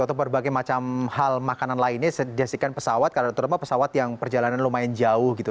atau berbagai macam hal makanan lainnya dijadikan pesawat karena terutama pesawat yang perjalanan lumayan jauh gitu